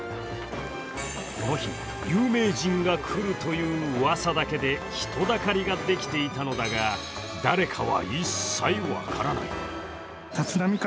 この日、有名人が来るといううわさだけで人だかりができていたのだが、誰かは一切分からない。